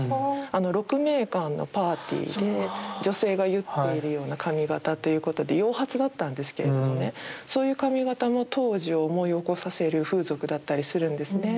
鹿鳴館のパーティーで女性が結っているような髪型ということで洋髪だったんですけれどもねそういう髪型も当時を思い起こさせる風俗だったりするんですね。